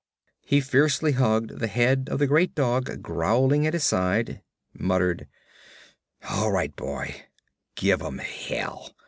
He fiercely hugged the head of the great dog growling at his side, muttered: 'All right, boy, give 'em hell!'